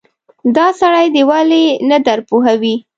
دا سړی دې ولې نه درپوهوې.